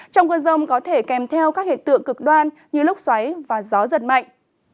trong cơn rông có thể kèm theo các hiện tượng cực đoan như lốc xoáy và gió giật mạnh